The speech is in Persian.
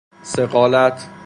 ثقالت